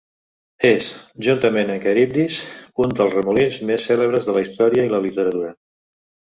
És, juntament amb Caribdis, un dels remolins més cèlebres de la història i la literatura.